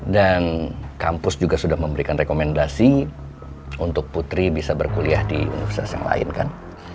dan kampus juga sudah memberikan rekomendasi untuk putri bisa berkuliah di universitas yang lain kan